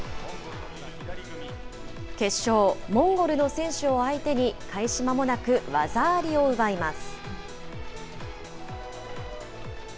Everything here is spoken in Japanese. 決勝、モンゴルの選手を相手に、開始まもなく技ありを奪います。